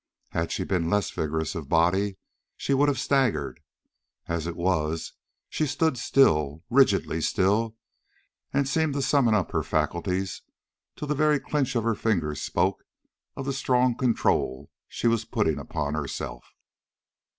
Had she been less vigorous of body, she would have staggered. As it was, she stood still, rigidly still, and seemed to summon up her faculties, till the very clinch of her fingers spoke of the strong control she was putting upon herself.